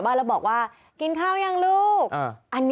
มีคนใจดีก็ตัดสินใจน